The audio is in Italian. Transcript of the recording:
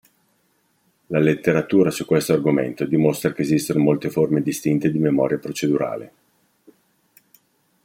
La letteratura su questo argomento dimostra che esistono molte forme distinte di memoria procedurale.